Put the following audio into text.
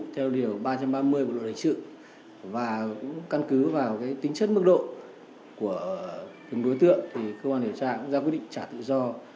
theo điều ba trăm ba mươi của đội đại trưởng và cũng căn cứ vào tính chất mức độ của từng đối tượng thì cơ quan điều tra cũng ra quyết định trả tự do